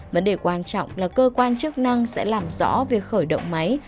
vấn đề quan trọng là cơ quan chức năng sẽ làm rõ việc khởi động máy